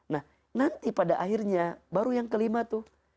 nah nanti pada akhirnya baru yang kelima tuh